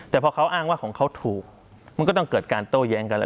แต่พอเขาอ้างว่าของเขาถูกมันก็ต้องเกิดการโต้แย้งกันแล้ว